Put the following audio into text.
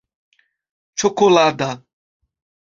ĉokolada